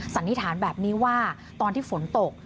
สันนิษฐานแบบนี้ว่าตอนที่ฝนตก